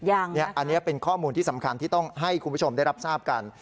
อันนี้เป็นข้อมูลที่สำคัญที่ต้องให้คุณผู้ชมได้รับทราบกัน